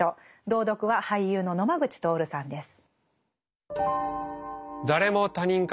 朗読は俳優の野間口徹さんです。